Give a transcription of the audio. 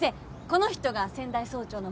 この人が先代総長のマリさん。